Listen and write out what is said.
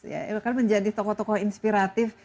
ya kan menjadi tokoh tokoh inspiratif